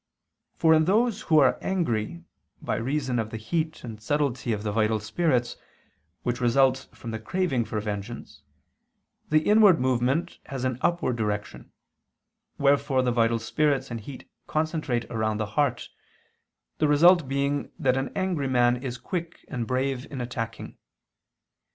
For in those who are angry, by reason of the heat and subtlety of the vital spirits, which result from the craving for vengeance, the inward movement has an upward direction: wherefore the vital spirits and heat concentrate around the heart: the result being that an angry man is quick and brave in attacking.